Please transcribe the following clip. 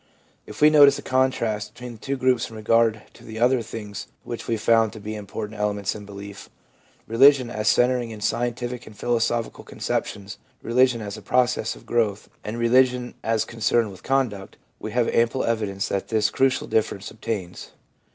If we notice the contrast between the two groups in regard to the other things which we found to be important elements in belief — religion as centering in scientific and philosophical conceptions religion as a process of growth, and religion as con 37o THE PSYCHOLOGY OF RELIGION cerned with conduct — we have ample evidence that this crucial difference obtains.